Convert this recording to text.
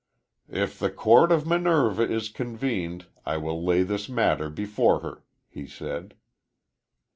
"If the court of Minerva is convened, I will lay this matter before her," he said.